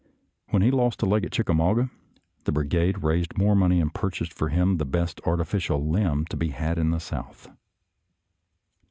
When he lost a leg A THIRTY DAT FURLOUGH 229 at Chickamauga, the brigade raised more money and purchased for him the best artificial limb to be had in the South.